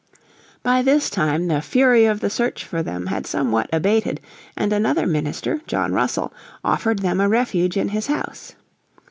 By this time the fury of the search for them had somewhat abated and another minister, John Russell, offered them a refuge in his house.